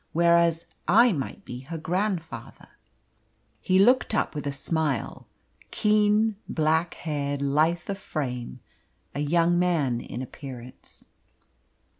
Whereas, I might be her grandfather." He looked up with a smile keen, black haired, lithe of frame a young man in appearance.